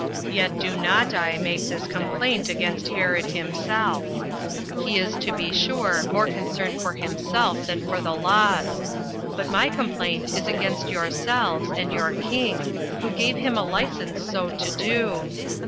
Yet do not I make this complaint against Herod himself; he is to be sure more concerned for himself than for the laws; but my complaint is against yourselves, and your king, who gave him a license so to do.